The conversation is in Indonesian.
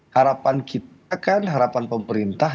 harapan kita kan harapan pemerintah